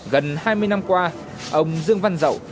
gần hai mươi năm qua ông dương văn dậu